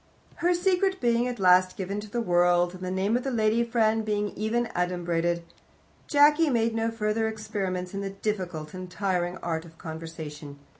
Her secret being at last given to the world, and the name of the lady friend being even adumbrated, Jacky made no further experiments in the difficult and tiring art of conversation.